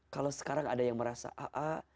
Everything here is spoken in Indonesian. kalau sekarang ada yang merasa aa